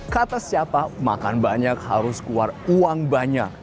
kata siapa makan banyak harus keluar uang banyak